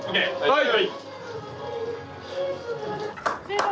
・はい！